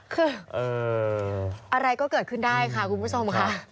คืออะไรก็เกิดขึ้นได้ค่ะคุณผู้ชมค่ะ